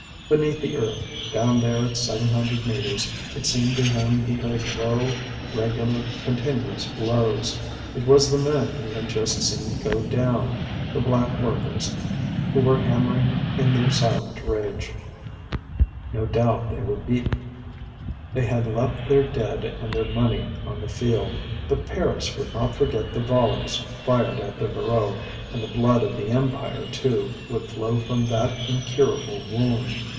Beneath the earth, down there at seven hundred metres, it seemed to him he heard low, regular, continuous blows; it was the men he had just seen go down, the black workers, who were hammering in their silent rage. No doubt they were beaten. They had left their dead and their money on the field; but Paris would not forget the volleys fired at the Voreux, and the blood of the empire, too, would flow from that incurable wound.